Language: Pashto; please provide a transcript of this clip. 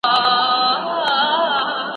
رسنۍ موضوع نړيواله کوي.